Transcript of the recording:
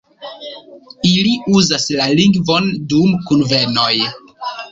Ili uzas la lingvon dum kunvenoj.